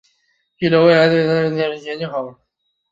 另预留未来增设对侧出入口之衔接口。